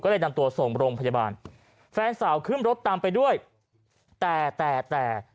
ก็เลยนำตัวส่งโรงพยาบาลแฟนสาวขึ้นรถตามไปด้วยแต่แต่แต่